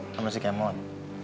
kamu masih kemot